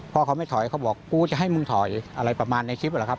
พ่อเขาไม่ถอยเขาบอกกูจะให้มึงถอยอะไรประมาณในคลิปเหรอครับ